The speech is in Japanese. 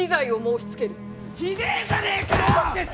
ひでえじゃねえかよ！